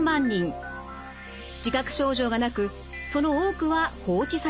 自覚症状がなくその多くは放置されています。